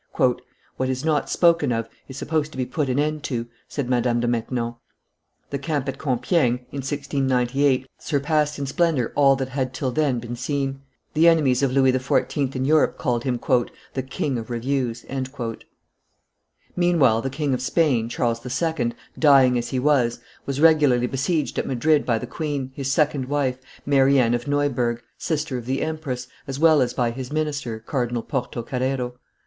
"What is not spoken of is supposed to be put an end to," said Madame de Maintenon. The camp at Compiegne, in 1698, surpassed in splendor all that had till then been seen; the enemies of Louis XIV. in Europe called him "the king of reviews." Meanwhile the King of Spain, Charles II., dying as he was, was regularly besieged at Madrid by the queen, his second wife, Mary Anne of Neuburg, sister of the empress, as well as by his minister, Cardinal Porto Carrero.